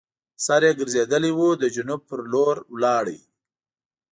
سر یې ګرځېدلی وو د جنوب پر لور لاړ.